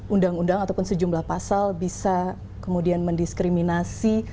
undang undang ataupun sejumlah pasal bisa kemudian mendiskriminasi